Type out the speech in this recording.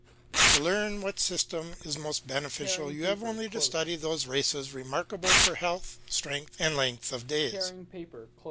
To learn what system is most beneficial you have only to study those races remarkable for health, strength, and length of days.